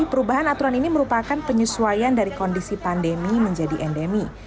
perubahan aturan ini merupakan penyesuaian dari kondisi pandemi menjadi endemi